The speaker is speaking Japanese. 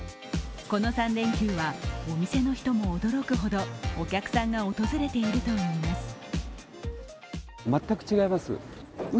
この３連休は、お店の人も驚くほどお客さんが訪れているといいます。